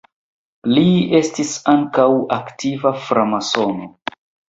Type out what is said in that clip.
Li estis ankaŭ aktiva framasono.